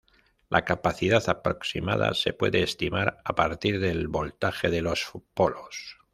La capacidad aproximada se puede estimar a partir del voltaje de los polos.